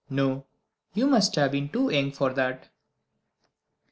No: you must have been too young for that."